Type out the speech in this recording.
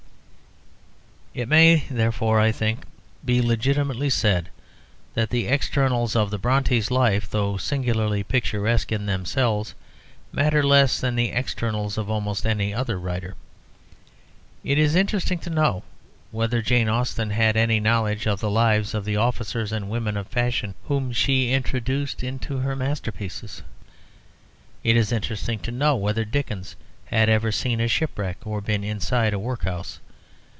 It may, therefore, I think, be legitimately said that the externals of the Brontës' life, though singularly picturesque in themselves, matter less than the externals of almost any other writers. It is interesting to know whether Jane Austen had any knowledge of the lives of the officers and women of fashion whom she introduced into her masterpieces. It is interesting to know whether Dickens had ever seen a shipwreck or been inside a workhouse.